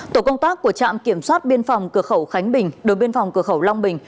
tổ công tác của trạm kiểm soát biên phòng cửa khẩu khánh bình đội biên phòng cửa khẩu long bình